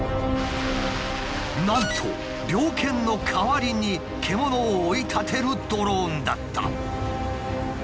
なんと猟犬の代わりに獣を追い立てるドローンだった。